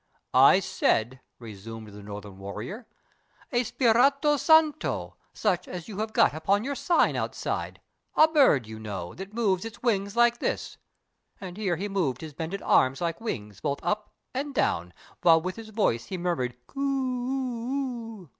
"I said," resumed the Northern warrior, "A Spirito Santo, such as you have got Upon your sign outside—a bird, you know, That moves its wings like this"—and here he moved His bended arms like wings, both up and down, While with his voice he murmured _Coo oo oo!